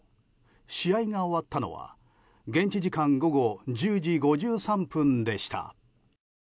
試合が終わったのは現地時間午後１０時５３分でした。